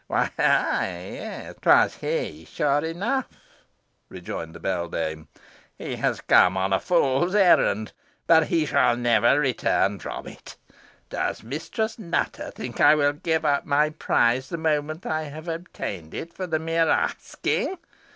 "Why, ay, 'twas he, sure enough," rejoined the beldame. "He has come on a fool's errand, but he shall never return from it. Does Mistress Nutter think I will give up my prize the moment I have obtained it, for the mere asking?